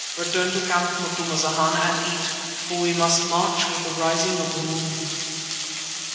Return to camp, Macumazana, and eat, for we must march with the rising of the moon."